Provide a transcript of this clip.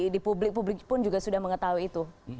di publik publik pun juga sudah mengetahui itu